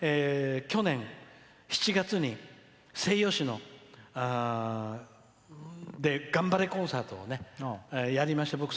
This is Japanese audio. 去年、７月に西予市で頑張れコンサートをやりました。